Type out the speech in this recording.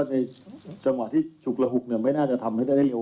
ในจังหวะที่ฉุกระหุกไม่น่าจะทำให้ได้เร็ว